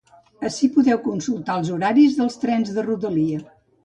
Ací podeu consultar els horaris dels trens de rodalia.